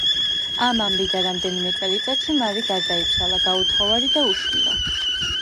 ამ ამბიდან რამდენიმე წელიწადში მარი გარდაიცვალა, გაუთხოვარი და უშვილო.